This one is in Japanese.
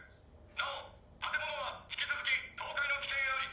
なお建物は引き続き倒壊の危険あり。